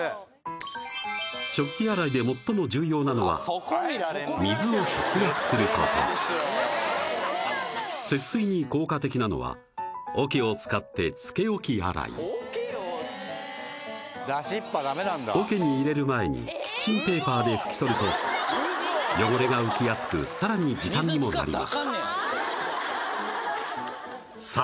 食器洗いで最も重要なのは水を節約すること節水に効果的なのは桶を使って浸け置き洗い桶に入れる前にキッチンペーパーで拭き取ると汚れが浮きやすくさらに時短にもなりますさあ